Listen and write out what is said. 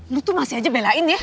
lu tuh masih aja belain ya